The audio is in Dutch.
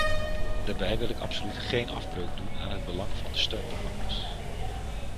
Daarbij wil ik absoluut geen afbreuk doen aan het belang van de steunprogramma's.